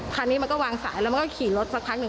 คันนี้มันก็วางสายแล้วมันก็ขี่รถสักพักหนึ่ง